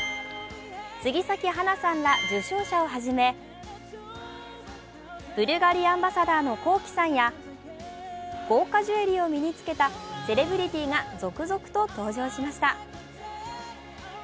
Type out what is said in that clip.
杉咲花さんら受賞者をはじめブルガリアンバサダーのＫｏｋｉ，さんや豪華ジュエリーを身につけたセレブリティーが続々と登場しました。